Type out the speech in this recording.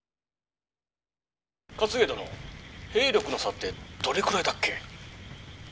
「勝家殿兵力の差ってどれくらいだっけ？」。